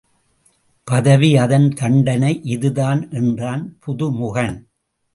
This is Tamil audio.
பதவி அதன் தண்டனை இதுதான் என்றான் பது முகன்.